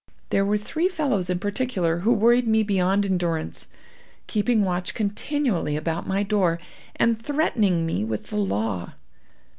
There were three fellows in particular who worried me beyond endurance, keeping watch continually about my door, and threatening me with the law.